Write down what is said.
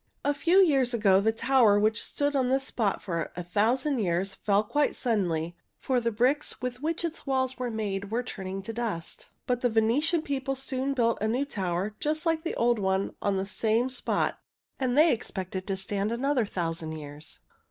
A few years ago the tower which had stood on this spot for a thousand years fell quite suddenly, for the bricks with which its walls were made were turning to dust. But the Venetian people soon built a new tower just like the old one on the same spot, and they expect it to stand another thousand years.